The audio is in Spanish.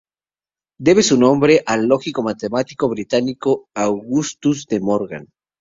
Debe su nombre al lógico y matemático británico Augustus De Morgan.